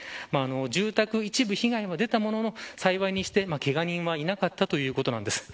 住宅、一部被害は出たものの幸いにして、けが人はいなかったということです。